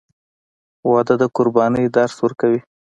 • واده د قربانۍ درس ورکوي.